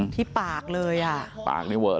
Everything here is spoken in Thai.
ที่ปากเลยอ่ะ